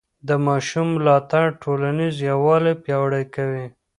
د ماشوم ملاتړ ټولنیز یووالی پیاوړی کوي.